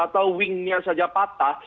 atau wingnya saja patah